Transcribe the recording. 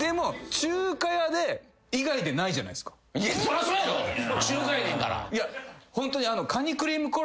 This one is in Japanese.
中華やねんから！